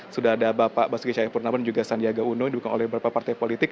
sudah ada bapak basuki cahayapurnama dan juga sandiaga uno yang didukung oleh beberapa partai politik